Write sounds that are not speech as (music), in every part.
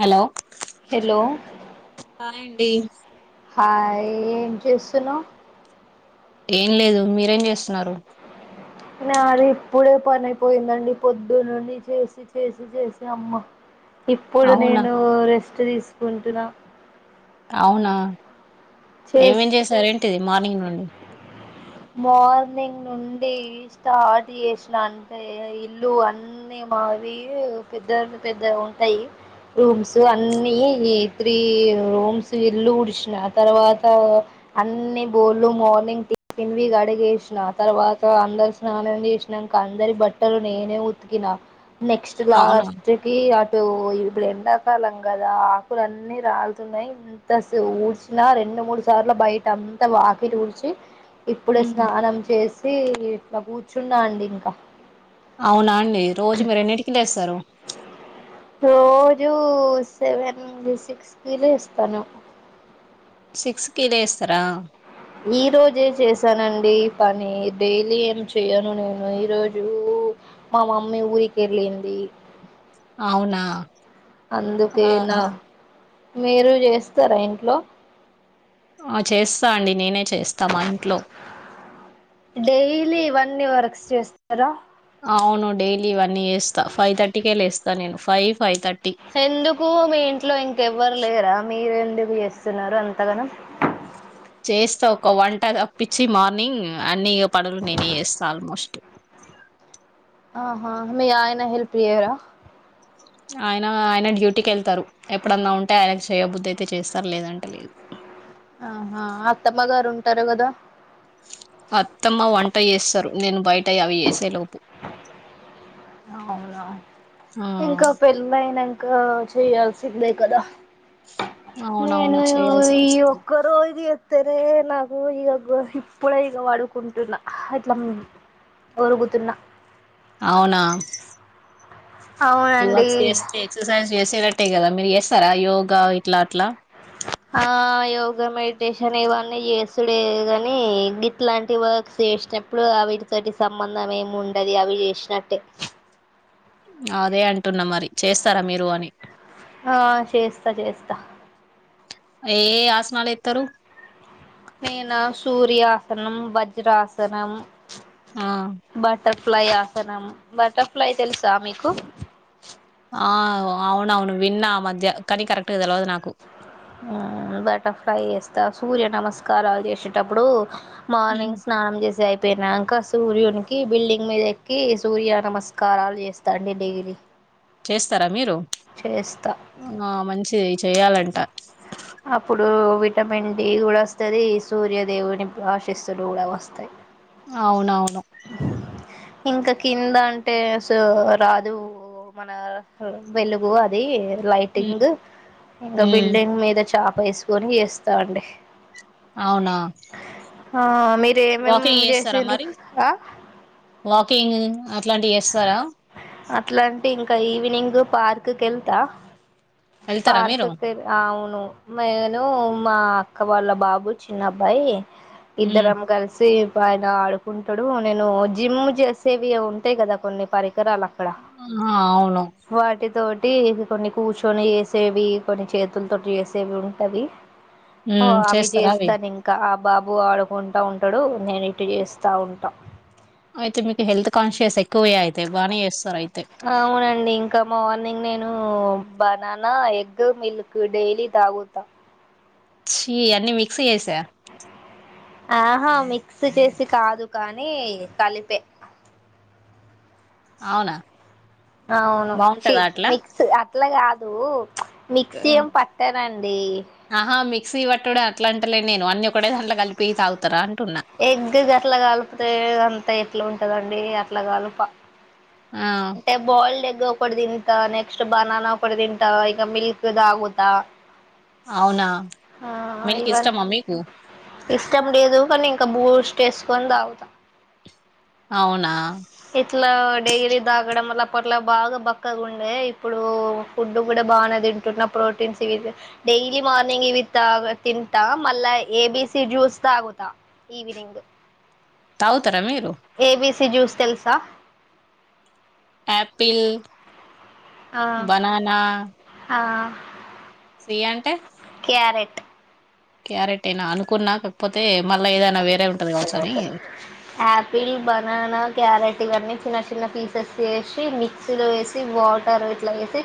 Hello hello hi అండి hi ఏం చేస్తున్నావు ఏం లేదు మీరేం చేస్తున్నారు నా అది ఇప్పుడే పనియిపోయిందండి పొద్దున్న నుండి చేసి చేసి చేసి అమ్మ ఇప్పుడు అవునా నేను రెస్ట్ తీసుకుంటున్నా అవునా చేస్ ఏమేం చేసారేంటిది మార్నింగ్ నుండి మార్నింగ్ నుండి స్టార్ట్ చేసిన అంటే ఇల్లు అన్నీ మావి పెద్ద పెద్ద ఉంటాయి రూమ్స్ అన్ని త్రీ రూమ్స్ ఇల్లు ఉడిసిన ఆ తర్వాత అన్న బోలు మనింగ్ పిన్వి గడిగేసిన తర్వాత అందరు స్నానం చేసినాక అందరి బట్టలు నేనే ఉతికినా నెక్స్ట్ అవునా లాస్ట్కి ఇ ఇప్పుడు ఎండాకాలం కదా ఆకులు అన్నీ రాలుతున్నాయి ఇంత ఊడ్చిన రెండు రెండు మూడు సార్లు బయట అంత వాకిలీ ఉడిచి ఇప్పుడే ఉమ్. స్నానం చేసి ఇట్లా కూర్చున్నా అండి ఇంకా అవునా అండి రోజు మీరు ఎన్నింటికిీ లేస్తారు మీూ సెవెన్ సిక్స్కిిలో ఇస్తాను సిక్స్ కి లేస్తార ఈ రోజే చేశానండి పని డైలీ ఏమి చేయను నేను ఈ రోజు మా మమ్మీ ఊరికేర్లేంది అవునా అందుకేనా ఆహా మీరు చేస్తారా ఇంట్లో ఆ చేస్తా అండి నేనే చేస్తామా ఇంట్లో అన్ని వర్క్స్ చేస్తారా అవును డైలీ అన్నీ చేస్తా ఫైవ్ థర్టీకే లేేస్తాను నేను ఫైవ్ ఫైవ్ థర్టీ ఎందుకు మీ ఇంట్లో ఇంకెవ్వరు లేరా మీరెందుకు చేస్తున్నారు అంతగానం చేస్తా ఒక వంట తప్పచ్చి మార్నింగ్ అన్ని పనులు నేనే చేస్తా ఆల్మోస్ట్ ఆహా అ ఆయనా హెల్ప్ చేయరా ఆయన ఆయన డ్యూటీకి వెళ్తారు ఎప్పుడన్నా ఉంటే ఆయనకు చేయబుద్ధి అయితే చేస్తారు లేదంటే లేదు ఆహా అత్తమ్మ గారు ఉంటారు కదా అత్తమ్మ వంట చేస్తారు నేను బయట అవి వేసేలోపు అవునా ఆ ఇంక పెళ్ళయినా ఆ చేయాల్సిందే కదా నేను అవునవును చేయాల్సి ఈ వస్తది. ఒక్కరు ఇది సరే నాకు ఇక ఇప్పుడే ఇగ వాడుకుంటున్నా అట్లా మ ఓరుగుతున్నా అవునా ఈ అవునండి వర్క్స్ చేస్తే ఎక్సర్సైజ్ చేసేటట్టే కదా మీరు చేస్తారా యోగా ఇట్లా అట్లా ఆ యోగా మెడిటేషన్ ఇవన్నీ చేస్తుడే కాని ఇట్లాంటి వర్క్స్ చే చేసినప్పుడు అడితోటి సంబంధం ఏము ఉండది అవి చేసినట్టే అదే అంటున్నా మరి చేస్తారా మీరు అని ఆ చేస్తా చేస్తా ఏ ఆసనాలు ఎత్తారు నేనా సూర్యాసనం వజ్రాసనం ఆ ఫ్లై ఆసనం బటర్ఫ్లై తెలుసా మీకు ఆ అవున అవును విన్నా మధ్య కనీ కరెక్ట్ల బటర్ఫ్లై వేస్తా సూర్య నమస్కారాలు చేసేటప్పుడు మ్ మార్నింగ్ స్నానం చేసి అయి ప్పనాక సూర్యునికి బిల్డింగ్ మీద ఎక్కి సూర్య నమస్కారాలు చేస్తాండి డైలీ చేస్తారా మీరు చేస్తా ఆ మంచిది చేయాలంట అప్పుడు విటమిన్ డి కూడా వస్తుంది సూర్య దేవ్ ఆశీస్సులు కూడా వస్తాయి అవునవును ఇంకా కింద అంటే సో రాదు మన వెలుగు అది మ్ లైటింగ్ ఇంకా మ్ బిల్డింగ్ మీద చాప వేసుకొని వస్తా అండి అవునా ఆ మీరేమేం వాకింగ్ చేస్తారా చేసిండ్రు మరి ఆ వాకింగ్ అట్లాంటివి చేస్తారా అట్లాంటే ఈవినింగ్ పార్క్ కెల్తా వెళ్తారా పార్క్ మీరు కెల్ అవును నేను మా అక్క వాళ్ళ బాబు చిన్నబ్బాయి హ్మ్ ఇద్దరం కలిసి ఆయన ఆడుకుంటాడు నేను జిమ్ చేసేవి ఉ కదా కొన్ని పరికరాలు అక్కడ ఆ అవును వాటితో అంటే కొన్ని కూర్చొని చేసేవి కొన్ని చేతులతోటి చేసేవి ఉంటావి ఓ హ్మ్ అవి చేస్తారా చేస్తాను ఇంకా బాబు ఆడుకుంటూ ఉంటాడు నేను ఇటు చేస్తా ఉంటా అయితే మీకు హెల్త్ కాన్షియస్ ఎక్కువే అయితే బాగానే చేస్తారు అయితే అవునండి ఇంకా మార్నింగ్ నేను బనానా ఎగ్ మిల్క్ డైలీ తాగుతా ఛీ అన్నీ మిక్స్ చేసా ఆహా మిక్స్ చేసి కాదు కానీ కలిపే అవునా అవును బాగుంటదా అట్లా మిక్స్ అట్లా కాదు మిక్సీ ఆ! ఏం పట్టనండి ఆహా మిక్సీ పట్టుడు అట్లాంటలే నేను అన్ని ఒకటే దాట్లో కలిపి తాగుతారా అంటున్నా ఎగ్గ్ అట్లా కలిపితే అంతా ఎట్లా ఉంటదండి అట్లా కలిపా ఆ అంటే బాయిల్డ్ ఎగ్ ఒకటి తింటా నెక్స్ట్ బననా ఒకటి తింటా ఇక మిల్క్ తాగుతా అవునా ఆ మిల్క్ ఇష్టమా మీకు ఇవన్ని ఇష్టం లేదు కానీ ఇక బూస్టేసు కొని తాగుతా అవునా ఇట్ల డైలీ తాగడం వల్ల అప్పట్లా బాగా బక్కగా ఉండే ఇప్పుడు ఫుడ్ కూడా బాగానే తింటున్నప్పుడు ప్రోటీన్స్ ఇవి డైలీ మార్నింగ్ ఇవి తాగు తింటా మళ్ళా ఏ బిసి జ్యూస్ తాగుతా ఈవినింగ్ తాగుతార మీరు ఏబీసీ జ్యూస్ తెల్సా ఆపిల్ ఆ బనానా ఆ సీ అంటే క్యారెట్ క్యారెట్ ఏనా అనుకున్నా కాకపోతే మళ్ళా ఏదైనా వేరే ఉంటది కావచ్చు అని ఆపిల్ బననా క్యారెట్ ఇవన్నీ చిన్న చిన్న పీసెస్ వేసి మిక్సీలో వేసి వాటర్ ఇట్లా వేసి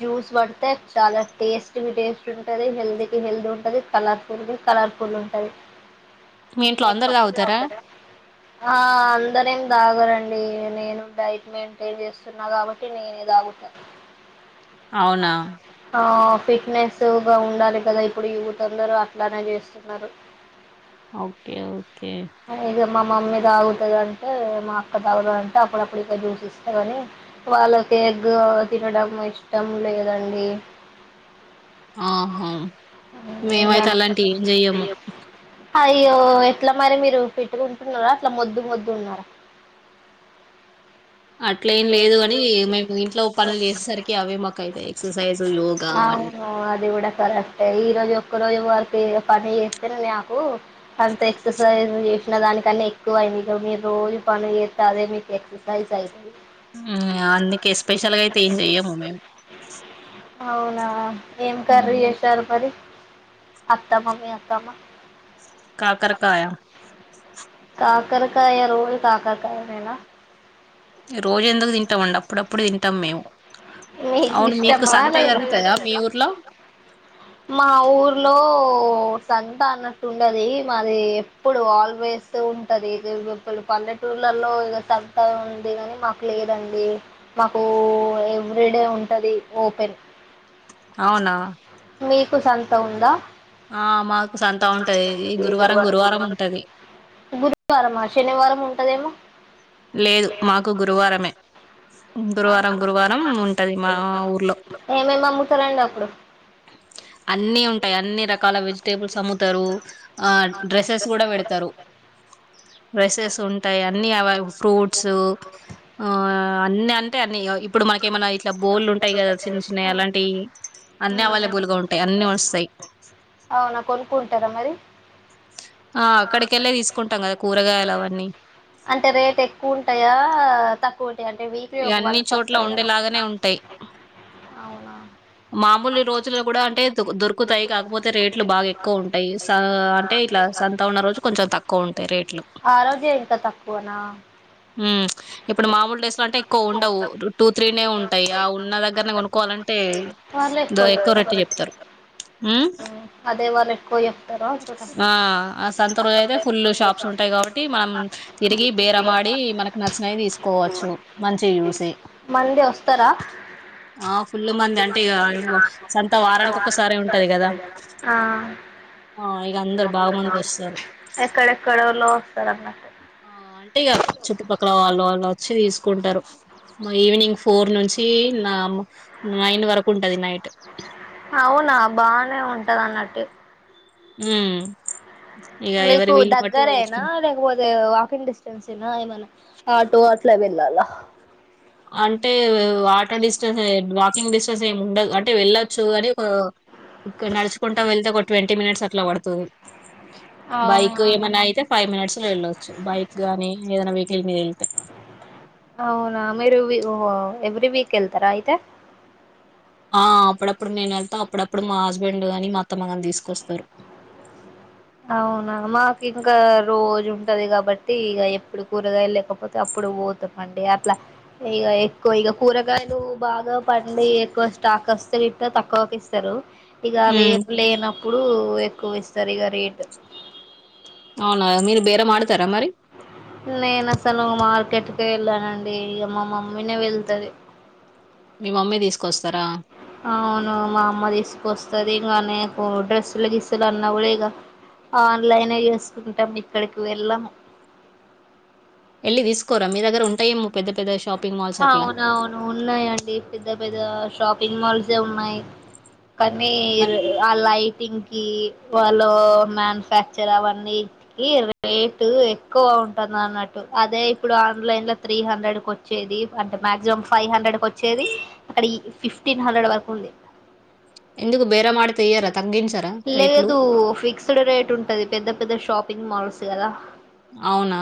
జ్యూస్ పడితే చాలా టేస్ట్కి టేస్ట్ ఉంటది హెల్తీ కి హెల్దీ ఉంటది కలర్ఫుల్ కి కలర్ఫుల్ ఉంటది (inaudible) మీ ఇంట్లో అందర్ తాగుతారా ఆ అందరు ఏం తాగరండి నేను డైట్ మెయింటైన్ చేస్తున్నా కాబట్టి నేనే తాగుతా అవునా ఆ ఫిట్ నెస్ గా ఉండాలి కదా ఇప్పుడు యూత్ అందరూ అట్లానే చేస్తున్నారు ఓకే ఓకే ఇక మా మమ్మీ తాగుతది అంటే మా అక్క తాగుతది అంటే అప్పుడప్పుడు ఇక జ్యూస్ ఇస్తా కాని వాళ్ళ ట ఎగ్ తినడమ్ ఇష్టం లేదండి ఆహా ఇంకా మేమైతే అలాంటివి ఏం చెయ్యము అయ్యో ఎట్లా మరి మీరు ఫిట్టుగుంటున్నారా అట్లా ముద్దు ముద్దు ఉన్నారా (inaudible) అట్ల ఏం లేదు అని మేము ఇంట్లో పనులు చేసేసరికి అవే మాకైతాయి ఎక్సర్సైజ్ యోగా అవన్ని ఆ అది కూడా కరెక్ట్ ఏ ఒక్క రోజు వర్క్ పని చేస్తే నాకు అంత ఎక్సర్సైజ్ చేసిన దానికన్నా ఎక్కువ మీ రోజు ఇగ పని జేత్తే మీ ఎక్సర్సిస్ అయితది హ్మ్ అందుకే స్పెషల్ గా అయితే ఏం చెయ్యము మేము అవునా ఏం కర్రీ హ్మ్. చేసారు మరి అత్తమ్మ మీ అక్కమ్మ కాకరకాయ (inaudible) కాకరకాయ రోజు కాకరకాయేనా రోజు ఎందుకు తింటాం అండి అప్పుడప్పుడు తింటాం మేము మీకు అవును ఇష్టమా సంత లేదా జరుగుతదా మీ ఊర్లో మా ఊర్లో సంత అన్నట్టు ఉండది మాది ఎప్పుడు ఆల్వేస్ వేస్తూ ఉంటది ఇప్పుడు పల్లెటూరులో లో సంత ఉంది కాని మాకు లేదండి మాకు ఎవ్రీడే ఉంటుంది ఓపెన్ అవునా మీకు సంత ఉందా ఆ మాకు సంతా ఉంటది ఈ గురువారం గురువారం ఉంటది గురువారమా శనివారం ఉంటదేమో లేదు మాకు గురువారమే గురువారం గురువారం ఉంటది మా ఊర్లో సలేండి అప్పుడు అన్ని ఉంటాయి అన్ని రకాల వెజిటేబుల్స్ అమ్ముతారు ఆ డ్రెస్సెస్ కూడా పెడతారు రడ్రెసెస్ ఉంటాయి అన్ని అవి ఫ్రూట్స్ ఆ అన్ని అంటే అన్ని ఇప్పుడు మనక ఏమైనా ఇట్లా బోలు ఉంటాయి కదా చిన్న చిన్న ఆలాంటి అన్ని అవైలబుల్ గా ఉంటాయి అన్ని వస్తాయి అవునా కొనుక్కుంటారా మరి ఆ అక్కకెళ్ళే తీసుకుంటాం కదా కూరగా అంటే రేట్ ఎక్కువ ఉంటాయా తకు అంటే వీక్లీ ఒకళ అన్ని చోట్ల ఉండేలాగానే (unintelligible) ఉంటాయి అవునా మామూలు రోజుల్లో కూడా అంటే దొరుకుతాయి కాకపోతే రేట్లు బాగా ఎక్కువ ఉంటాయి స అంటే ఇట్లా సంతా ఉన్న రోజు కొంచం తక్కువ ఉంటాయి రేట్ హు ఆ రోజే ఇంకా తక్కువనా ఇప్పుడు మామూల్ డేస్ లో అంటే ఎక్కువ ఉండవు టూ త్రీనే ఉంటాయి ఆ ఉన్న దగ్గరనే కొనుక్కవాలంటే పర్లే పోతుంది ఉమ్ (unintelligible) ఆ ఆ సంతరోజైతే ఫుల్ షా ఆ ఉంటాయి కాబట్టి మనం తిరిగి బేరమాడి మనకి నచ్చినయి తీసుకోవచ్చు మంచివి చూసి మళ్లీ వస్తారా ఆ ఫుల్ మంది అంటే ఇక సంత వారానికి ఒక్కసారి ఉంటది కదా (unintelligible) ఆ ఆ ఇక అందరు బాగా మంది వస్తారు ఎక్కడె ఎక్కడో ఆ అంటే ఇక చుట్టుపక్కల వాళ్లు వాళ్లు వచ్చి తీసుకుంటారు మా ఈవినింగ్ ఫోర్ నుంచి నామ్మ నైన్ వరకు ఉంటది నైట్ అవునా బానే ఉంటది అన్నట్టు ఉ మీకు దగ్గరేనా లేకపోతే వాకింగ్ డిస్టెన్స్ ఏనా ఏమైనా ఆటో అట్లే బల్లలా అంటే వటర్ డిస్టెన్స్ వాకింగ్ డిస్టెన్స్ ఏమి ఉండదు అంటే వెళ్ళొచ్చు అని ఒక ఇక్కడ నడుచుకుంటా వెళ్తే ఒక ట్వంటీ మినిట్స్ అట్లా పడుతుంది బైక్ అవునా ఏమైన్నా అయితే ఫైవ్ మినిట్స్ లో వెళ్ళొచ్చు బైక్ గాని ఏదైనా వెక్ కి మీ వెళ్తే అవునా మీరు వి ఓ ఎవ్రీ వీక్ వెళ్తారా అయితే ఆ అప్పుడప్పుడు నేను వెళ్తా అప్పుడప్పుడు మా హస్బెండ్ కాని మా అతమ్మగాని తీసుకొస్తారు (inaudible) అవునా మాకు ఇంకా రోజు ఉంటది కాబట్టి ఇక ఎప్పుడు కూరగాయ లేకపోతే అప్పుడు ఇప్పుడు పోతె పండి అట్లా ఇ ఎక్కువ ఇ కూరగాయలు బాగా పండి ఎక్కువ స్టాక్ కస్తలుట్ట తక్కువకి ఇస్తారు ఇక అవి ఉమ్ ఏం లేనప్పుడు ఎక్కువ ఇస్తారు ఇక రేట్ అవునా మీరు బేరం ఆడతారా మరి నేను అసలు మార్కెట్కి వెళ్ళానండి ఇక మా మమ్మీనే వెళ్తది మీ మమ్మీ తీసుకొస్తారా అవును మా అమ్మ తీసుకొస్తది ఇంకా నాకు డ్రెస్సుల గీసులు అన్నవు ఇక ఆన్లైన్ నే చేసుకుంటాం ఇక్కడికి వెళ్ళము వెళ్ళి తీసుకోరా మీ దగ్గర ఉంటాయేమో పెద్ద పెద్ద షాప్ అవున అవును ఉన్నాయిండి పెద్ద పెద్ద షాపింగ్ మాల్సే ఉన్నాయి పన్నిర్ బట్ అలయి యింకి వాళ మ్యానుఫ్యాక్చర్ అవన్నీ ఎతికి రేటు ఎక్కువ ఉంటది అన్నట్టు అదే ఇప్పుడు ఆన్ లైన్ లో త్రీ హండ్రెడ్ కు వచ్చి ఇది అంటే మాక్సిమం ఫైవ్ హండ్రెడ్ వచ్చేది అక్కడ ఇ ఫిఫ్టీన్ హండ్రెడ్ వరకు ఉంది ఎందుకు బేర మాడితే ఇయ్యరా తగ్గించరా రేట్లు లేదు ఫిక్స్డ్ రేట్ ఉంటది పెద్ద పెద్ద షాపింగ్ మాల్స్ కదా అవునా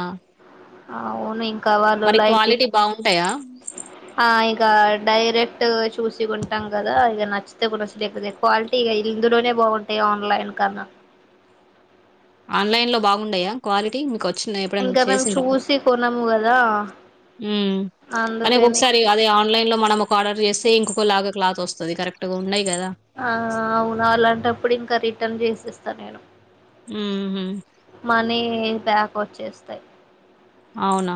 అవును ఇంకా వాళ్లు మరి లైటింగ్ క్వాలిటీ బాగుంటాయా ఆ ఇక డైరెక్ట్ చూసి కొంటాం కదా ఇక నచ్చితే నచ్చకపోతే క్వాలిటీ ఇ ఇందులోనే బాగుంటా యి ఆన్లైన్ కన్నా ఆన్లైన్లో బాగుండయా క్వాలిటీ మీకు వచ్చిందా ఎప్పుడైనా ఇంకా మేము చేసిండ్రా. చూసి కొనము కదా మ్ అని అందుకని ఒకసారి అదే ఆన్లైన్ లో మనం ఒక ఆర్డర్ చేస్తే ఇంకొక లాగా క్లాత్ వస్తుంది కరెక్ట్ గా ఉండయ్. ఆ అవును అలాంటప్పుడు ఇంకా రిటర్న్ చేసేస్తా నేను. మ్ హ్ మ్ బ్యాక్ వచ్చేస్తయ్ అవునా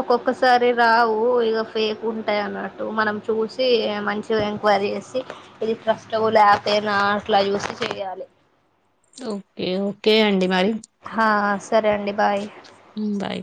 ఒక్కొక్కసారి రావు ఇగ ఫేక్ ఉంటాయి అన్నట్టు మనం చూసి మంచిగా ఎంక్వైరీ చేసి ఇది ట్రస్ట్రబుల్ ఆపేనా అట్లా చూసి చెయాలి. ఓకే ఓకే అండి మరి ఆ సరే అండి బాయ్ మ్ బాయ్